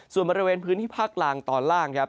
ส่วนบริเวณพื้นที่ภาคล่างตอนล่างครับ